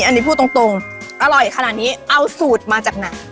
อันนี้พูดตรงอร่อยขนาดนี้เอาสูตรมาจากไหน